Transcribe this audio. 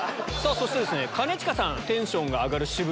そして兼近さんテンションが上がる私物